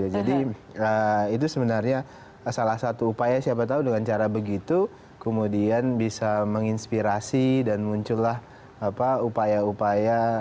jadi itu sebenarnya salah satu upaya siapa tahu dengan cara begitu kemudian bisa menginspirasi dan muncullah upaya upaya